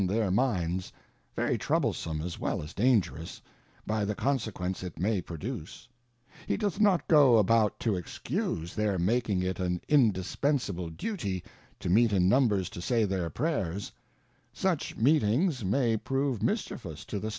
tkeir Minds, very troublesonie as .j«ell as dangerous, by the Conse quence it may produce: he doth not go about to excuse. their making^ it an indispensable duty, to meet in numbers^tosay their Prayers; such meetings may prove mischievous to the